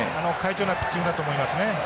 快調なピッチングだと思いますね。